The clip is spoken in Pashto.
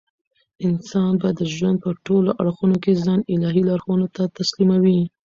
انسان به د ژوند په ټولو اړخو کښي ځان الهي لارښوونو ته تسلیموي.